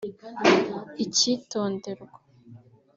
“Icyitonderwa